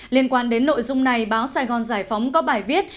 liên quan đến nội dung này báo sài gòn giải phóng có bài viết